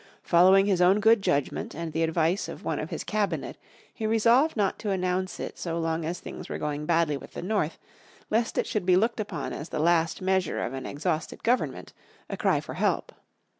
Following his own good judgment and the advice of one of his Cabinet he resolved not to announce it so long as things were going badly with the North lest it should be looked upon as the last measure of an exhausted government, a cry for help.